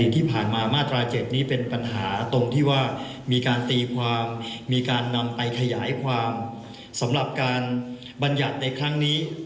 ที่ผ่านมามาตรา๗นี้เป็นปัญหาตรงที่ว่ามีการตีความมีการนำไปขยายความสำหรับการบรรยัติในครั้งนี้